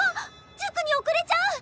塾におくれちゃう！